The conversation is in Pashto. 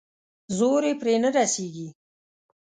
زور يې پرې نه رسېږي.